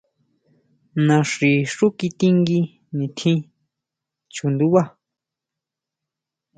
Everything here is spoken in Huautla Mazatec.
Naxí xú kitingui nitjín chundubá.